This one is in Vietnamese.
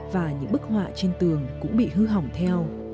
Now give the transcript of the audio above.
và những bức họa trên tường cũng bị hư hỏng theo